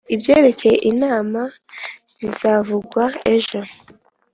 Ibyerekeye inama bizavugwa ejo.